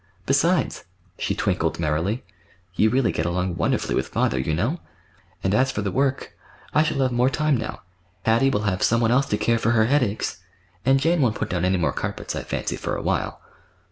Besides,"—she twinkled merrily—"you really get along wonderfully with father, you know. And, as for the work—I shall have more time now: Hattie will have some one else to care for her headaches, and Jane won't put down any more carpets, I fancy, for a while."